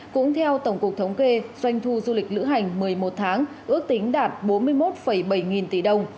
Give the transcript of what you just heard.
cũng theo tổng cục thống kê doanh thu du lịch lữ hành một mươi một tháng ước tính đạt bốn mươi một bảy nghìn tỷ đồng